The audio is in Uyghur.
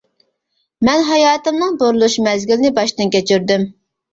مەن ھاياتىمنىڭ بۇرۇلۇش مەزگىلىنى باشتىن كەچۈردۈم.